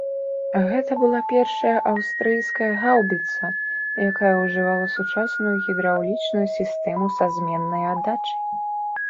Гэта была першая аўстрыйская гаўбіца, якая ужывала сучасную гідраўлічную сістэму са зменнай аддачай.